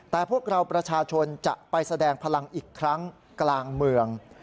แต่พวกเราประชาชนจะไปแสดงพลังอีกครั้งกลางเมือง